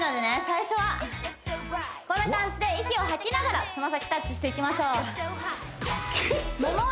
最初はこんな感じで息を吐きながらつま先タッチしていきましょうモモ